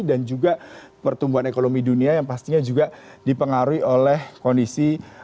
dan juga pertumbuhan ekonomi dunia yang pastinya juga dipengaruhi oleh kondisi